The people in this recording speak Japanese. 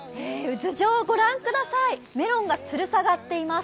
頭上を御覧ください、メロンがつり下がっています。